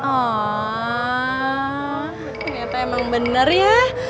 oh ternyata emang bener ya